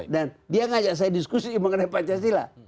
dan dia mengajak saya diskusi mengenai pancasila